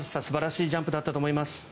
素晴らしいジャンプだったと思います。